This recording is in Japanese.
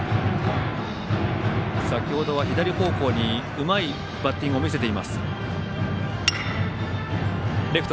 先ほどは左方向にうまいバッティングを見せています。